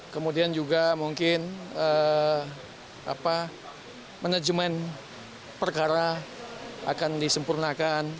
kemudian juga mungkin manajemen perkara akan disempurnakan